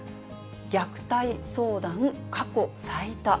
虐待相談過去最多。